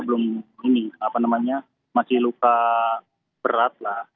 belum ini apa namanya masih luka berat lah